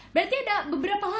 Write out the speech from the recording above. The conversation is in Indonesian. berarti ada beberapa lagu ya